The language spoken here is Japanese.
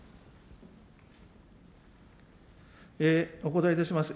お答えいたします。